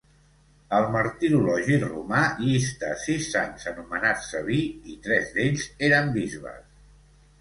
El martirologi romà llista sis sants anomenats Sabí i tres d'ells eren bisbes.